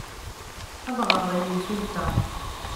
Ad ɣreɣ i yimsulta.